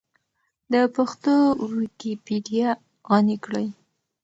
د پښتو ويکيپېډيا غني کړئ.